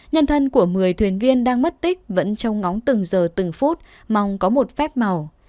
nhân thân của một mươi thuyền viên đang mất tích vẫn trong ngóng từng giờ từng phút mong có một phép màu